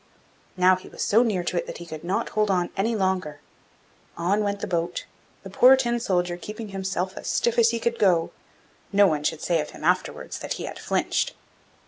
Now he was so near to it that he could not hold on any longer. On went the boat, the poor Tin soldier keeping himself as stiff as he could: no one should say of him afterwards that he had flinched.